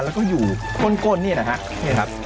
แล้วก็อยู่ก้นนี่นะครับเนี่ยครับ